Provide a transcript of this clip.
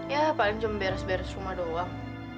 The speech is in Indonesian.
ya paling cuma beres beres semua doang